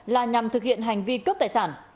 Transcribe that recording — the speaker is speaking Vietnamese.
là nhằm thực hiện hành vi cướp tài sản